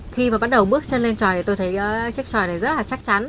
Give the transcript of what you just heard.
khi mà bắt đầu bước chân lên tròi thì tôi thấy chiếc tròi này rất là chắc chắn